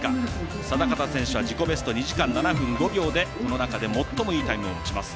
定方選手は自己ベスト２時間７分５秒でこの中で最もいいタイムを持ちます。